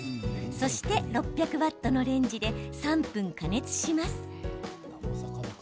そして６００ワットのレンジで３分、加熱します。